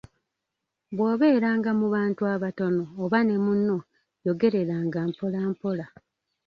Bw’obeera nga mu bantu abatono oba ne munno yogereranga mpolampola.